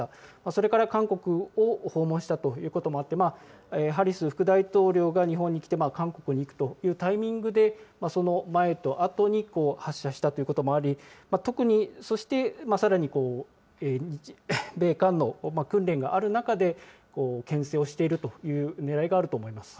それから韓国を訪問したということもあって、ハリス副大統領が日本に来て韓国に行くというタイミングで、その前とあとに発射したということもあり、特に、そしてさらに米韓の訓練がある中で、けん制をしているというねらいがあると見られます。